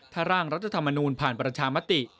ถ้าร่างรัฐธรรมนูลผ่านประชามติ